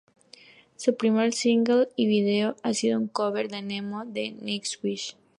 Su primer single y video ha sido un cover de "Nemo", de Nightwish.